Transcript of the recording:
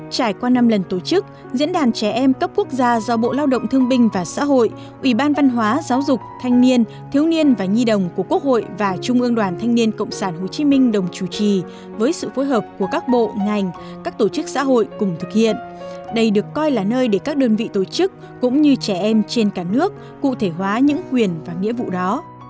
trải qua năm lần tổ chức diễn đàn trẻ em cấp quốc gia do bộ lao động thương binh và xã hội ủy ban văn hóa giáo dục thanh niên thiếu niên và nhi đồng của quốc hội và trung ương đoàn thanh niên cộng sản hồ chí minh đồng chủ trì với sự phối hợp của các bộ ngành các tổ chức xã hội cùng thực hiện đây được coi là nơi để các đơn vị tổ chức cũng như trẻ em trên cả nước cụ thể hóa những quyền và nghĩa vụ đó